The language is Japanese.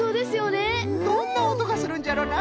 どんなおとがするんじゃろなあ。